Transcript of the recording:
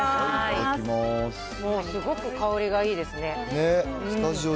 もうすごく香りがいいですね。